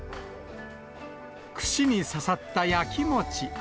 串に刺さった焼き餅。